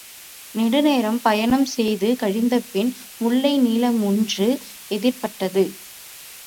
நெடுநேரம் பயணம் செய்து கழிந்தபின் முல்லை நிலமொன்று எதிர்ப்பட்டது.